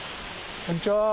こんにちは！